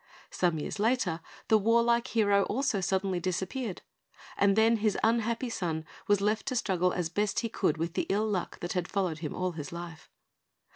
Some years later, the warlike hero also suddenly disappeared, and then his unhappy son was left to struggle as best he could with the ill luck that had followed him all his life.